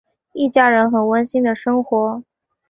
一家人很温馨的生活。